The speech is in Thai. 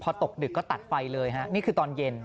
พอตกดึกก็ตัดไฟเลยฮะนี่คือตอนเย็น